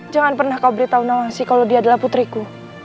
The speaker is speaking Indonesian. jangan pernah kau beritahu nawasi kalau dia adalah putriku